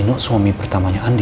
nino suami pertamanya andi